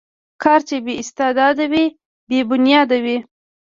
کار چې بې استاد وي، بې بنیاد وي.